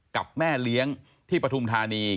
กับแม่เลี้ยงที่ปฐุมธานี